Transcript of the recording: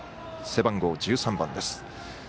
背番号１３番です。